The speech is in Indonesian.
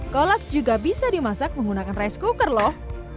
kolak juga bisa dimasak menggunakan rice cooker loh